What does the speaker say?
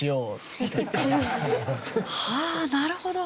はあなるほど。